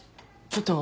ちょっと。